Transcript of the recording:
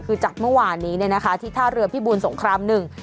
คือจากเมื่อวานนี้ที่ท่าเรือพี่บูนสงครามหนึ่ง